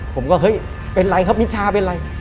ผมก็เฮ้ยเป็นไรครับมิชาเป็นอะไร